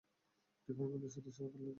ডিপার্টমেন্টের সদস্যরা বদলে গেছে।